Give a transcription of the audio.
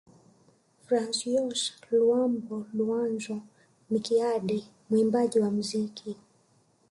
Francois Luambo Luanzo Makiadi mwimbaji wa mziki